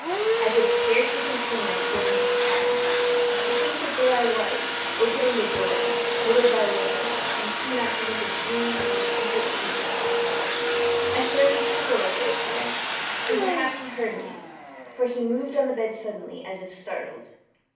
I could scarcely contain my feelings of triumph. To think that there I was, opening the door, little by little, and he not even to dream of my secret deeds or thoughts. I fairly chuckled at the idea; and perhaps he heard me; for he moved on the bed suddenly, as if startled.